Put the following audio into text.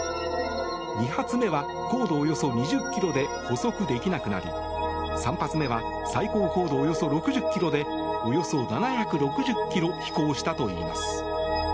２発目は高度およそ２０ｋｍで捕捉できなくなり３発目は最高高度およそ６０ｋｍでおよそ７６０ｋｍ飛行したといいます。